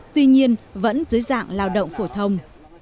tuy nhiên vẫn dưới dạng lao động phổ thông